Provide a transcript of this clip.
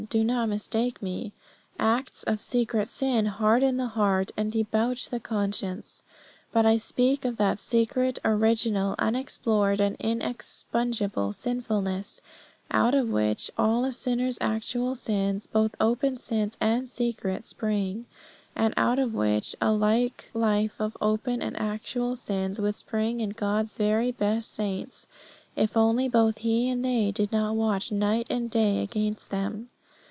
Do not mistake me. Acts of secret sin harden the heart and debauch the conscience. But I speak of that secret, original, unexplored, and inexpugnable sinfulness out of which all a sinner's actual sins, both open sins and secret, spring; and out of which a like life of open and actual sins would spring in God's very best saints, if only both He and they did not watch night and day against them.